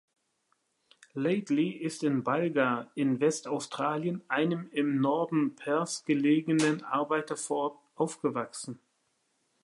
Laidley ist in Balga in Westaustralien, einem im Norden Perths gelegenen Arbeitervorort, aufgewachsen.